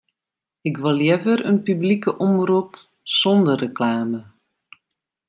Ik wol leaver in publike omrop sonder reklame.